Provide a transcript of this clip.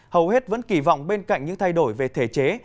hầu hết vẫn kỳ vọng bên cạnh những thay đổi về thể chế